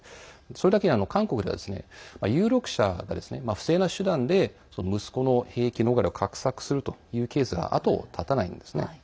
それだけに韓国では有力者が不正な手段で息子の兵役逃れを画策するというケースが後を絶たないんですね。